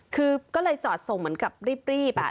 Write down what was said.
คือก็เลยจอดส่งเหมือนกับรีบ